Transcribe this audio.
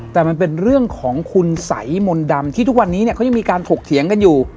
แต่มันเป็นเรื่องของคุณสัยมนต์ดำที่ทุกวันนี้เนี่ยเขายังมีการถกเถียงกันอยู่